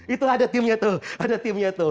itu ada timnya tuh